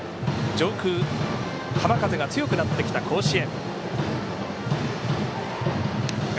上空、浜風が強くなってきた甲子園。